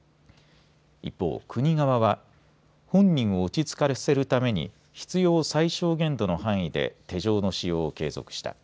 一方、国側は本人を落ち着かせるために必要最小限度の範囲で手錠の使用を継続した。